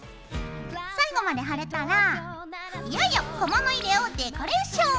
最後まで貼れたらいよいよ小物入れをデコレーション。